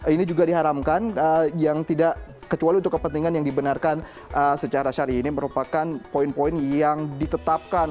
ini juga diharamkan yang tidak kecuali untuk kepentingan yang dibenarkan secara syari ini merupakan poin poin yang ditetapkan